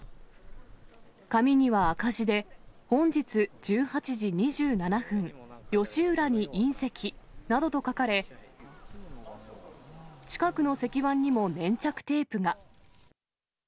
紙には赤字で、本日１８時２７分、吉浦にインセキなどと書かれ、近くの石板にも粘着テープが。